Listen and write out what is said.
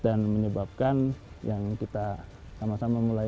dan menyebabkan yang kita sama sama mulai melihat adalah peningkatan tinggi muka laut